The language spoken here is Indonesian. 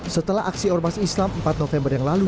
setelah aksi ormas islam empat november yang lalu